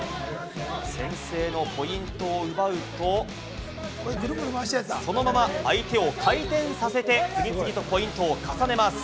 素早いタックルから先制のポイントを奪うと、そのまま相手を回転させて、次々とポイントを重ねます。